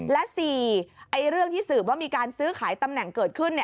และ๔เรื่องที่สืบว่ามีการซื้อขายตำแหน่งเกิดขึ้น